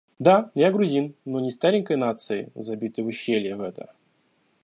Да, я грузин, но не старенькой нации, забитой в ущелье в это.